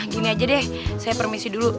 gini aja deh saya permisi dulu